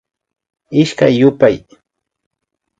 Ishkay yupay